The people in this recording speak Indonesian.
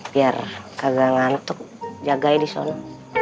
biar kagak ngantuk jagain disana